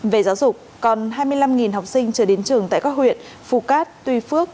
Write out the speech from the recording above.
về giáo dục còn hai mươi năm học sinh chưa đến trường tại các huyện phú cát tuy phước